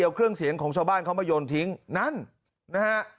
เอาเครื่องเสียงของชาวบ้านเขามาโยนทิ้งนั้นนะฮะ